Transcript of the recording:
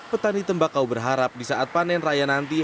petani tembakau berharap di saat panen raya nanti